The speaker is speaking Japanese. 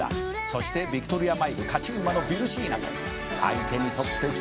「そしてヴィクトリアマイル勝ち馬のヴィルシーナと相手にとって不足なし」